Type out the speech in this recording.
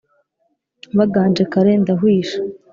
baganje kare ndahwisha.